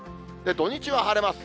土日は晴れます。